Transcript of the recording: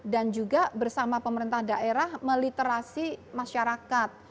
dan juga bersama pemerintah daerah meliterasi masyarakat